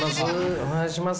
お願いします。